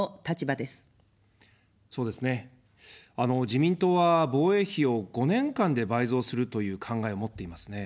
自民党は防衛費を５年間で倍増するという考えを持っていますね。